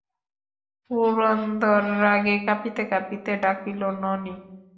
পুরন্দর রাগে কাঁপিতে কাঁপিতে ডাকিল, ননি!